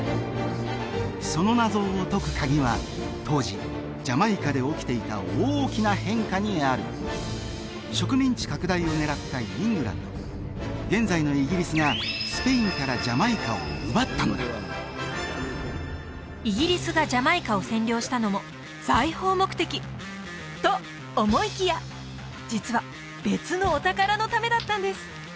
その謎を解くカギは当時ジャマイカで起きていた大きな変化にある植民地拡大を狙ったイングランド現在のイギリスがスペインからジャマイカを奪ったのだイギリスがジャマイカを占領したのも財宝目的と思いきや実は別のお宝のためだったんです